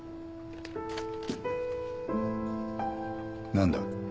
何だ？